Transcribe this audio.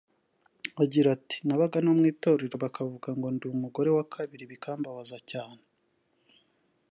Agira ati “Nabaga no mu itorero bakavuga ngo ndi umugore wa kabiri bikambabaza cyane